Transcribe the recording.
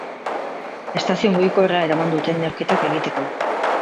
Estazio mugikorra eraman dute neurketak egiteko.